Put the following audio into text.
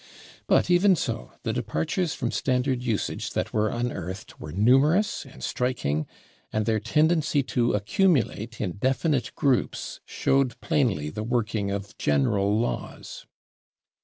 But even so, the departures from standard usage that were unearthed were numerous and striking, and their tendency to accumulate in definite groups showed plainly the working of general laws.